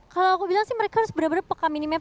kalau aku bilang sih mereka harus benar benar peka minimap